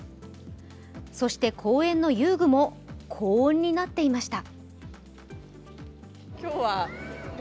そして、公園の遊具も高温になっていました。